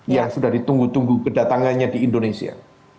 yang sudah ditunggu tunggu kedatangannya di indonesia